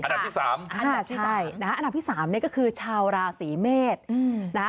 อันดับที่๓นะครับอันดับที่๓นี่ก็คือชาวราศรีเมษย์